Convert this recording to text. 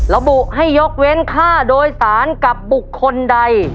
ระบุให้ยกเว้นค่าโดยสารกับบุคคลใด